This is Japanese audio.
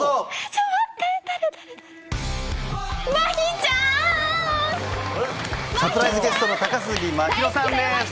サプライズゲストの高杉真宙さんです。